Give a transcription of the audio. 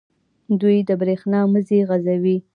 دوی د بریښنا مزي غځوي.